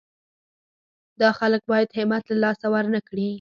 دا خلک باید همت له لاسه ورنه کړي.